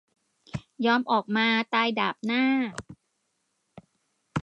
ยอมออกมา "ตายดาบหน้า"